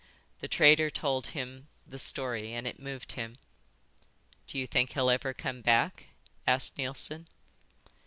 The trader told him the story and it moved him. "Do you think he'll ever come back?" asked Neilson.